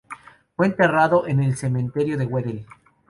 Fue enterrado en el Cementerio de Wedel.